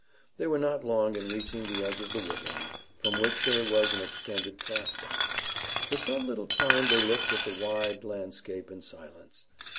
They were not long in reaching the edge of the woodland, from which there was an extended prospect. For some little time they looked at the wide landscape in silence.